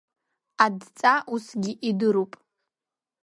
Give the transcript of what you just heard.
Адҵа усгьы идыруп…